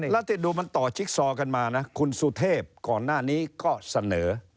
แล้วที่ดูมันต่อจิ๊กซอกันมานะคุณสุเทพก่อนหน้านี้ก็เสนอ